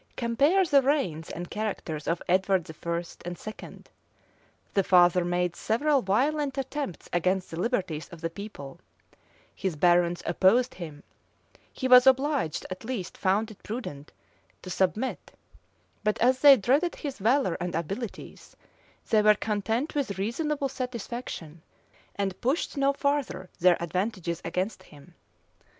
Compare the reigns and characters of Edward I. and II. The father made several violent attempts against the liberties of the people: his barons opposed him: he was obliged, at least found it prudent, to submit: but as they dreaded his valor and abilities, they were content with reasonable satisfaction, and pushed no farther their advantages against him.